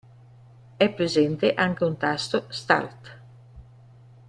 È presente anche un tasto “Start”.